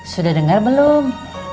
sudah dengar belum